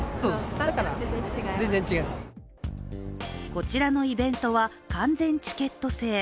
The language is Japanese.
こちらのイベントは完全チケット制。